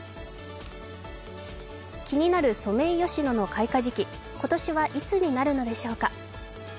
気になるソメイヨシノの開花時期、今年はいつになるのでしょうか？